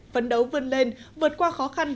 phấn đấu vươn lên vượt qua khó khăn